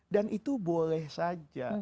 dan itu boleh saja